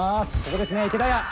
ここですね池田屋。